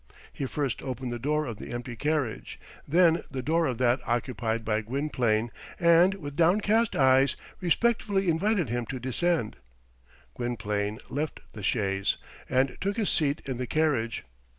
He first opened the door of the empty carriage, then the door of that occupied by Gwynplaine, and, with downcast eyes, respectfully invited him to descend. Gwynplaine left the chaise, and took his seat in the carriage.